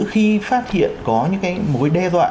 khi phát hiện có những cái mối đe dọa